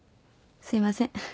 すいません。